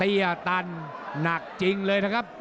ตันหนักจริงเลยนะครับ